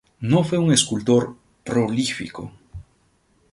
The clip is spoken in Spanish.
No fue un escultor prolífico.